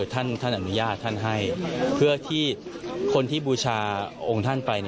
ท่านอนุญาตท่านให้เพื่อที่คนที่บูชาองค์ท่านไป